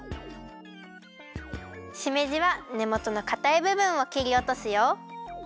しめじはねもとのかたいぶぶんをきりおとすよ。